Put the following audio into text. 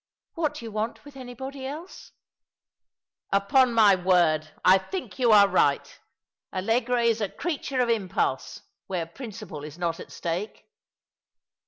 What do you want with anybody else ?" "Upon my word, I think you are right I Allegra is a In Silken Cords, 279 creature of impulse — where principle is not at stake.